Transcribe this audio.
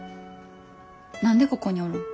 何でここにおるん？